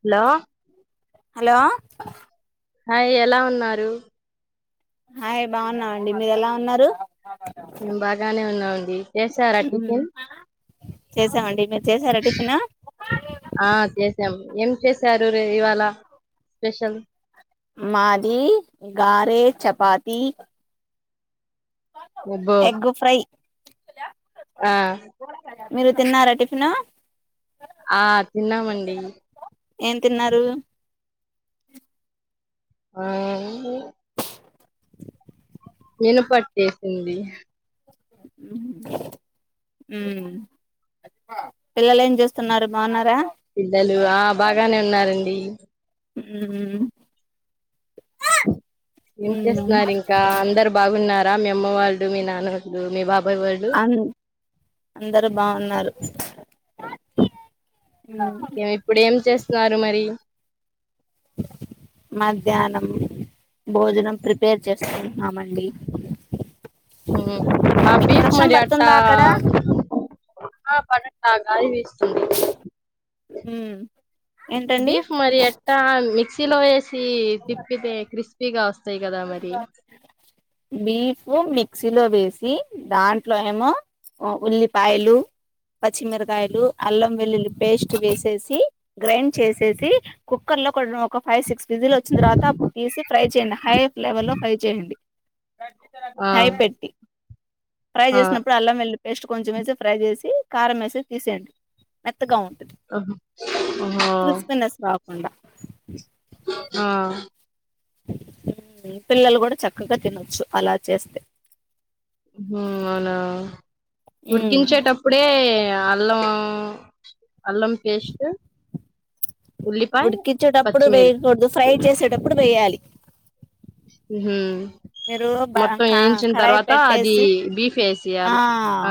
Hollow. Hello. Hi ఎలా ఉన్నారు. Hi బాగున్నావండి మీరు ఎలా ఉన్నారు మేం బాగానే ఉన్నాండి చేసారా టిఫిన్ చేసామండి మీరు చేసార టిఫిన చేసారు ఇవాళ స్పెషల్ మాది గారె చెప్ప పాతి అబ్బో ఎగ్ ఫ్రై ఆ మీరు తిన్నారా టిఫిను ఆ తిన్నామండి ఏం తిన్నారు ఆ నిను పట్టేసింది మ్మ్ పిల్లలు ఏం చూస్తున్నారు బాగున్నారా పిల్లలు ఆ బాగానే ఉన్నారండి మ్మ్ ఏం ఉమ్ చేస్తున్నారు ఇంకా అందరు బాగున్నార రా మీ అమ్మ వాళ్ళు మీ నాన్నవాళ్ళు మీ బాబ అం అందరు బాగున్నారు ఎమ్ ఇప్పుడు ఏం చేస్తున్నారు మరి మధ్యాహ్నం భోజనం ప్రిపేర్ చేస్తాం అమండి ఉమ్. ఆ బీఫ్ వర్షం మరి అట్టా పడుతుందా అక్కడ ఆ పడట్లా గాలి వీస్తుంది ఉమ్ ఏంటండి బీఫ్ మరియాట్టా మిక్స్ సిలో ఎస్ సి తిప్పితే క్రిస్పీగా వస్తాయి కదా మరి బీఫ్ మిక్సీలో వేసి దాంట్లో ఏమో ఆ ఉల్లిపాయలు పచ్చిమిరకాయలు అల్లం వెల్లుల్లి పేస్ట్ వేసేసి గ్రైండ్ చేసేసి కుక్కర్ లో కూడా ఒక ఫైవ్ సిక్స్ వచ్చిన తర్వాత అప్పుడు తీసి ఫ్రై చేయయండి హై ఫ్లేవెల్లో ఫ్రై చేయండి ఆ హైపెట్టి ఫ్రై ఆ చేసినప్పుడు అలాం వెళ్ళ పేస్ట్ కొంచెం వేసి ఫ్రై చేసి కారం ఎసి తీసేయండి మెత్తగా ఉంటుంది అం అః ఉండ ఆ పిల్లలు గూడా చక్కగా తినొచ్చు అలా చేస్తే ఉహు, అవునా ఉమ్ ఉడికించేటప్పుడే ఎ అల్లం అల్లం పేస్ట్ ఉల్లిపాయ ఉడిక్కిచేటప్పుడు పచ్చిమిరి వేయకూడదు ఫ్రై చేసేటప్పుడు వేయ్యాలి ఉహూమ్ మీరు బ మొత్తం కా వేయించిన కడాయి తర్వాత అది పెట్టేసి బీఫ్ వేసి ఆ యాల ఆ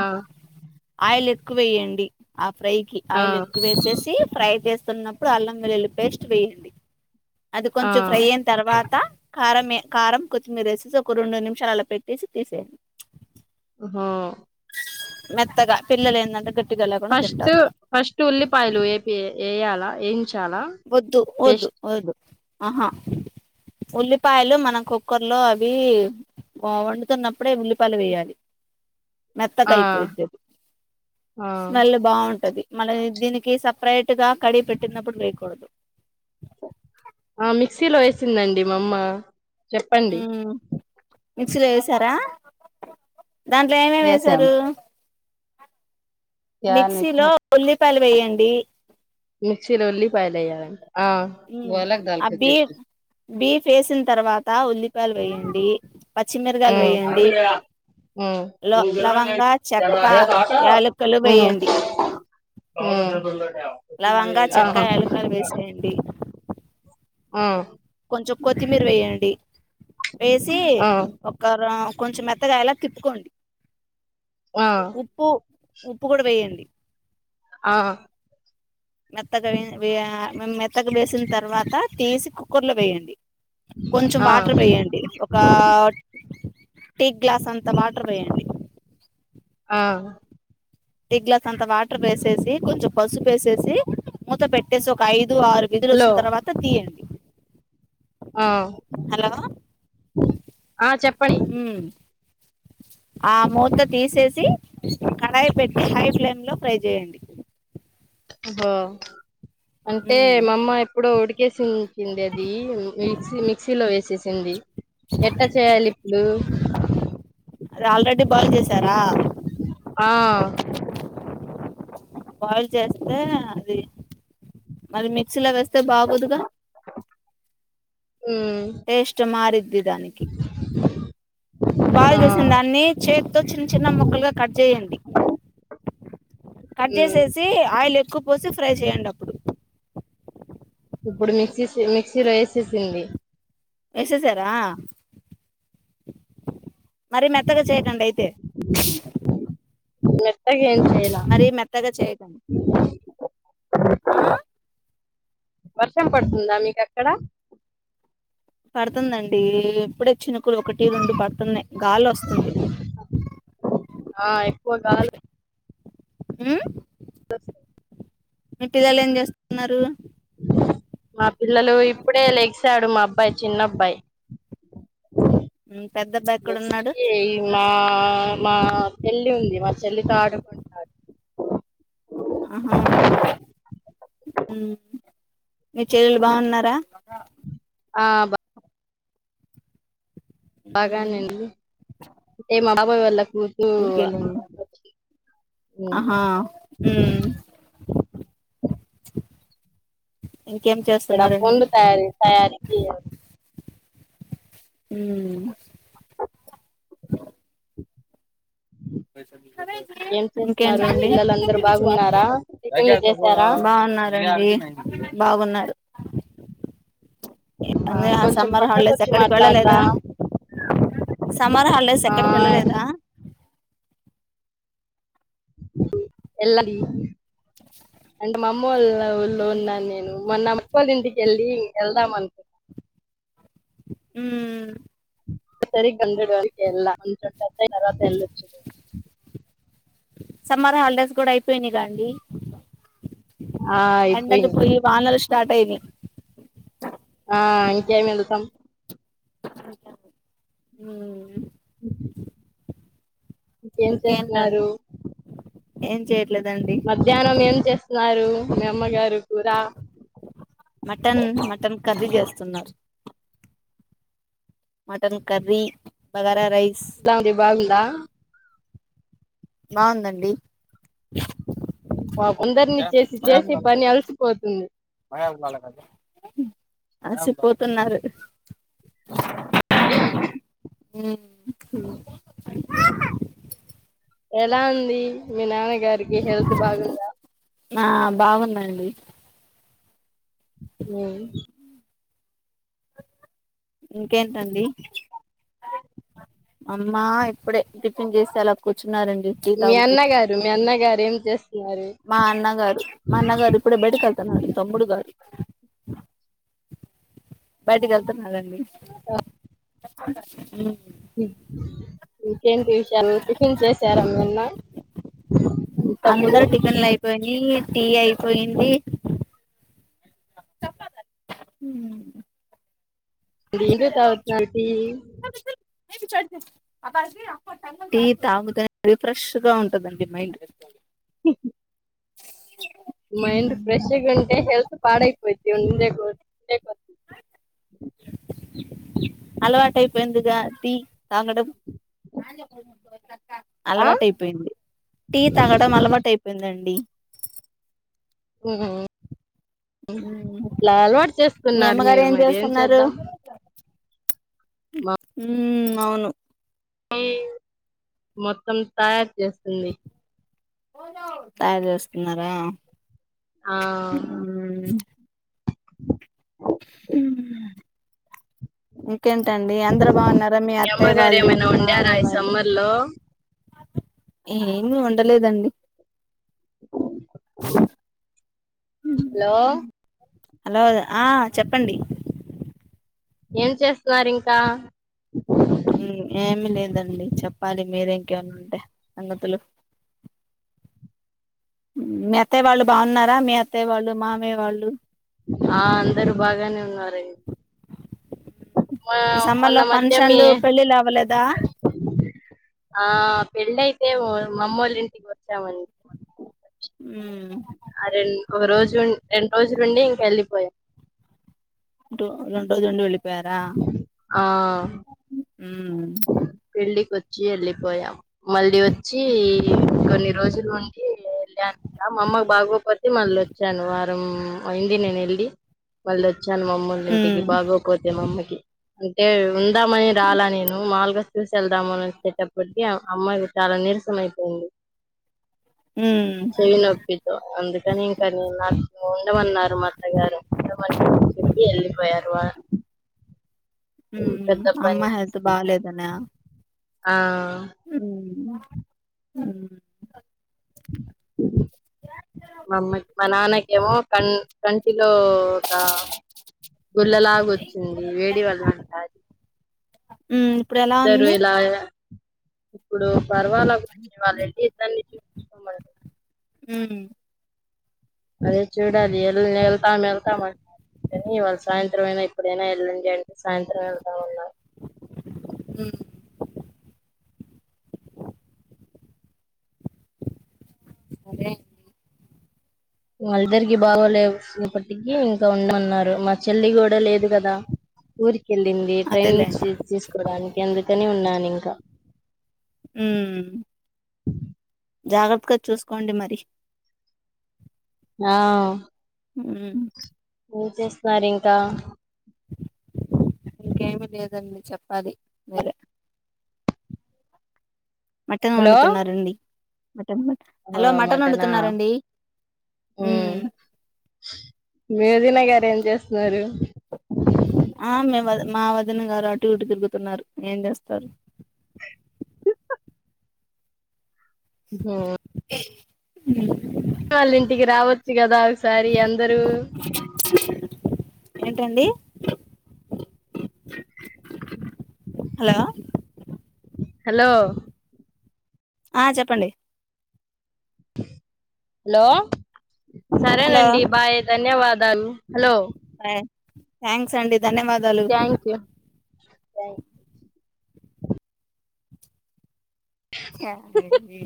ఆయిల్ ఎక్కువేయండి ఫ్రై కి ఆ ఆయిల్ ఎక్కువేసేసి ఫ్రై చేస్తున్నప్పుడు అల్లం వెల్లుల్లి పేస్ట్ వేయండి అది ఆ కొంచెం ఫ్రై అయిన తర్వాత కార మే కారం కొత్తిమీర ఎసేసి ఒక రెండు నిమిషాలు అలా పెట్టేసి తీసేయండి ఉహూ మెత్తగా పిల్లలు ఎందంటే గట్ ఫస్ట్ ఫస్ట్ ఉల్లిపాయలు ఏపీ ఎయాల బా ఎయించి వద్దు ఓద్దు ఓదు ఆహా ఉల్లిపాయలు మనం కుక్కర్లో అవి వండుతున్నప్పుడే ఉల్లిపాయలు వేయాలి. మెత్తగ ఆ అయిపోయిది అది ఆ స్మెల్ బాగుంటది. మళ్ళ దీనికి సపరేట్ గా కడి పెట్టినప్పుడు లేకు కొడదు. ఆహ్ మిక్సీలో వేసిందండి మా అమ్మ. చెప్పండి. మిక్సిలో ఎసారా దాంట్లో ఏమేమి వేసాం వేసారు. యానికి మిక్సీలో ఉల్లి. ఉల్లిపాయలు వేయండి. మిక్సీలో ఉల్లిపాయలు వేయాలంట. ఆహ్ మ్మ్ ఆ [unintelligible] టేస్ట్. బీఫ్ బీఫ్ వేసిన తర్వాత ఉల్లిపాయలు వేయండి. పచ్చిమిరగాయలు ఉమ్ వేయండి ఉమ్ లో ఉమ్ లవంగా చెక్క యాలకులు వేయండి ఉమ్. కోలై లవంగా చెక్క యాలుకలు వేసేయండి ఆహ్. కొంచెం కొత్తిమీర వేయండి వేసి ఒక రా. కొంచెం మెత్తగాయేలా తిప్పుకోండి. ఆ ఉప్పు. ఉప్పు కూడా వేయండి. ఆహ్. మెత్తగా వేయ వెయ్యాగ మెత్తగా వేసిన తర్వాత తీసి కుక్కర్లో వేయండి. కొంచెం ఆ వాటర్ వేయండి ఒక. టీ గ్లాస్ అంతా వాటర్ పోయండి. ఆహ్. టీ గ్లాస్ అంతా వాటర్ వేసేసి కొంచెం పసుపు వేసేసి మూత పెట్టేసి ఒక ఐదు. ఆరు విజులు హలో వచ్చిన తర్వాత తీయండి ఆ హలో ఆ చెప్పండి ఉమ్ ఆ మూత తీసేసి కడాయి పెట్టి హై ఫ్లేమ్ లో ఫ్రై చేయండి ఓహో అంటే ఉమ్ మామ్మ ఎప్పుడు ఉడికేసి కిందదీ మిక్సీ మిక్సీలో వేసేసింది ఎట్లా చేయాలి ఇప్పుడు అది ఆల్రెడీ భోంజేసారా ఆ బాయిల్ చేస్తే అది మరి మిక్సీలో వేస్తే బాగోదుగా ఉమ్ టేస్ట్ మారిద్ది దానికి బాల్ ఆ చేసిన్ దాన్ని చేత్తో చిన్న చిన్న ముక్కలుగా కట్ జేయండి కట్ ఉమ్ జేసేసి ఆయిల్ క్కువ పోసి ఫ్రై చేయండి అప్పుడు ఇప్పుడు మిక్సీసి మిక్సీ లో ఏసేసింది వేసేసారా మరీ మెత్తగా చే రండ అయితే మె మరీ మెత్తగా చేయకండి వర్షం పడుతుందా మీకక్కడ పడుతుందండీ ఇప్పుడే చిినకుడు ఒకటి రెండు పడుతూ ఉన్నాయి ఆ ఎక్కువ గా హుమ్ [inaudible] మీ పిల్లలు ఏం చేస్తున్నారు మా పిల్లలు ఇప్పుడే లెగసాడు మా అబ్బాయి చిన్నబ్బాయి ఉమ్ పెద్ద అబ్బాయి ఎక్కడ నెక్స్ట్ ఉన్నాడు మా మా పెళ్లి ఉంది మా చెల్లి ఉంది చెల్లితో ఆడుకుంటాడు ఆహా మీ చెల్లెలు బాగున్నారా ఆ బా ఉమ్ బాగానండి అంటే మా పో వల్ళకి ఊరికేలమ్ ఉమ్ ఆహ్ హ్మ్మ్ అక్కడ పొండు తయార తయారీ చేయ్యాలి హ్మ్మ్ ఏం చేస్తున్నారు ఇంకేంటండి పిల్లలందరూ బాగున్నారా టిఫిన్లు చేశారా బాగున్నారండి బాగున్నారు ఆ అ కొంచెం సమ్మర్ పక్కకు హాలిడేస్ వచ్చి ఎక్కడికి మాట్లాడరా వెళ్ళలేదా సమ్మర్ హాలిడేస్ ఆ ఎక్కడికి వెళ్ళలేదా ఎల్లాది అంటే మా అమ్మ వాళ్ళ ఊళ్ళో ఉన్నాను నేను మొన్న అక్క వాళ్ళ ఇంటికిెళ్ళి ఎల్దా అనుపి ఉమ్మ్ సరిగ గంధడు ఎలాాంట తర తెలిచ్చది సమ్మర్ హాలిడేస్ కూడా అయిపోయినాయిగాండి ఆ ఎండలు అయిపోయింది పోయి వానలు స్టార్ స్టార్ట్ అయినయ్ ఆ ఇంకేం ఎల్థం ఉమ్ హూ ఇంకేం ఇంకేంటండి చేస్తున్నారు ఏం చేయ మధ్యాహ్నం ఏం చేస్తా న్నారు మీ అమ్మగారు కూర కరీ చేస్తున్నారు మటన్ కర్రీ బాగరా ఎలా ఉంది బాగుందా బాగుందండి పాపం అందరిని చేసి చేసి పని అలసిపోతుంది అల్సిపోతున్నారు ఉమ్ ఎలా ఉంది మీ నాన్నగారికి హెల్త్ బాగుందా ఆ బాగుందండి ఉమ్ ఇంకేంటండి అమ్మా ఇప్పుడే టిఫిన్ చేసి అలా కూర్చు మీ అన్నగారు మీ అన్నగారు ఎం జస్ట్ మా అన్నగాడు మా అన్నగాడు ఇప్పుడే బయటకు వెళ్తున్నాడు బయటికి వెళ్తున్నాడండి ఉమ్ హు ఏంటి విషయాలు టిఫిన్ చేసార మీ అన్న మీ తమ్ముడు అందరు టిఫిన్లు అయిపోయినాయి టీ తొక్కద్దు అది నేను తాగుతున్నాను టీ టీ తాగుతానే రిఫ్రెష్ గా ఉంటందండి మైండ్ హు హు మైండ్ ఫ్రెష్ గుంటే హల్త్ పాడయిపోయిద్ ఎండేకు ఇంటేకి వస్తున్ అలవాటు అయిపోయిందిగా టీ తాగడం ఆ అలవాటుయిపోయింది టీ తాగడం అలవాటు అయిపోయిందండి ఉ ఉ హ అట్లా అలవాటు మీ చేసుకున్నారు అమ్మగారు మీరు మరి ఏం చేద్దాం ఉ ఊమ్ అవును మొత్తం తయారు చేసింది తయారు చేస్తున్నారా ఆ ఉ మ్ ఇంకేంటండి అందరు బాగున్నారా మీ అత్తయ్య అమ్మగారు వాళ్ళు ఏమైనా మీ వండారా మామయ్య ఈ వాళ్ళు సమ్మర్ లో ఏమి వండలేదండి హలో హలో ఆ చెప్పండి ఏం చేస్తున్నారు ఇంకా ఉం ఏమీ లేదండి చెప్పాలి మీరే ఇంకేమన్నా ఉంటే సంగతులు మీ అత్తయ వాళ్ళు బాగున్నారా మీ అత్తయ వాళ్ళు మామయ్య వాళ్ళు ఆ అందరూ బాగానే ఉన్నారండి. మా ఈ సమ్మర్ మొన్న లో మధ్య మీ ఫంక్షన్లు పెళ్ళిలు అవ్వలేదా ఆ పెళ్ళయితే మ మమ్మోళ్ల ఇంటికి వచ్చామండి. ఉమ్ జూన్ రెండు రోజులుండి ఇంక వెళ్ళిపోయా డొ రెండు రోజులుండి వెళి ఆ ఉమ్మ్ పెళ్ళికి వచ్చి వెళ్ళిపోయాం మళ్ళీ వచ్చి కొన్ని రోజులు ఉండి వెళ్ళాను కదా మా అమ్మకు బాగోపోతే మళ్ళీ వచ్చాను వారం అయింది నేను వెళ్ళి మళ్ళీ వచ్ చ్చెను మమ్మొలింటికి ఉమ్, బాగొకపోతే మమ్మీకి అంటే ఉందామని రాల నేను నువ్ మాముల్గా చూసేళ్ళ్దామని వచ్చేటప్పటికి ఆ అమ్మాయి చాలా నీరసం అయిపోయింది. ఉమ్, చేయి నొప్పితో అందుకని ఇంకానీ ఉండమన్నారు మాఅత్తగారు ఉండమని చెప్పి వెళ్ళిపోయారు అ హ్మ్ అమ్మ హెల్త్ తీసుకొని బాలేదనా ఆ హ్మ్ ఉమ్ ఉమ్మ్ మాఅమ్మకి మా నాన్నకేమో కన్ కంటి ఇదోక గుల్ళలాగ వచ్చింది వేడి వల్ల అంటఅది. ఉం ఇప్పుడు ఎలా ఉంది. ఇప్పుడు పర్వాల గురించి వాళ్ళెల్లి ఇద్దరినీ చూపించకోమనండి. హ్మ్ అదే చూడాలి ఎల్లుండి వెళ్తాం వెళ్తాం [unintelligible] అంటుంటే సాయంత్రం అయినా ఇప్పుడైనా వెళ్ళండి అంటే సాయంత్రం వెళ్తాం అన్నారు. హ్మ్ సరే ఓ అల్దరికి బాగోలేదు లేప్పటికి ఆ ఉండమన్నారు మా చెల్లి కూడా లేదు కదా ఊరికి వెళ్ళింది అదేలే ట్రైనింగ్ తీసుకోవడానికి అందుకని ఉన్నాను ఇంకా హ్మ్ జాగ్రత్తగా చూసుకోండి మరి ఆ ఉమ్ ఏం చేస్తున్నారింకా ఇంకేమి లేదండి చెప్పాలి, మీరే మటను హలో వండుతున్నారండి మటన్ మటన్ ఓ హలో మటన్ మటనా వండుతున్నారండి ఉమ్ మీ వదినగారు ఎం చేస్తున్నారు ఆ మీవ మా వదిన గారు అటు ఇటు తిరుగుతున్నారు ఏం చేస్తారు ఉహూ ఉహూ [unintelligible] వావ్ సారి అందరూ ఏండీ హలో హలో ఆ చెప్పండి హలో హలో సరేనండి బాయ్ ధన్యవాదాలు హలో థాంక్స్ అండి ధన్యవాదాలు థ్యాంక్ యూ థ్యాంక్ క్యాబేజీ